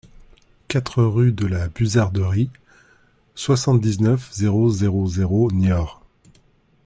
quatre rue de la Buzarderie, soixante-dix-neuf, zéro zéro zéro, Niort